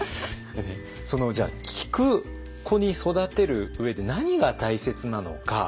その聞く子に育てる上で何が大切なのか。